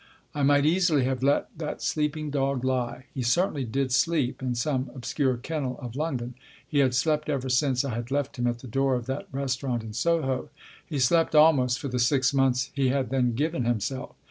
I might easily have let that sleeping dog lie. He certainly did sleep, in some obscure kennel of London ; he had slept ever since I had left him at the door of that restaurant in Soho. He slept almost for the six months he had then given himself.